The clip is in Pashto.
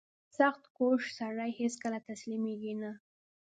• سختکوش سړی هیڅکله تسلیمېږي نه.